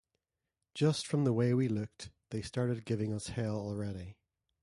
Just from the way we looked they started giving us hell already.